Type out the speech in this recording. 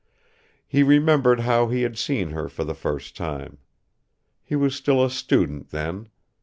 He remembered how he had seen her for the first time. He was still a student then.